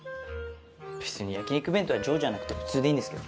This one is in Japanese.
別に焼き肉弁当は上じゃなくてフツーでいいんですけど。